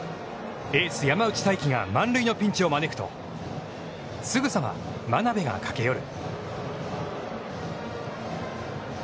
エース山内太暉が満塁のピンチを招くと、すぐさま真鍋が駆け寄る。